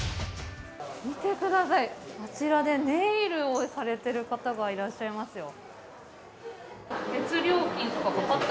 見てください、こちらでネイルをされている方がいらっしゃいますよ。